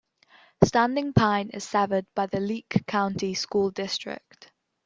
Standing Pine is served by the Leake County School District.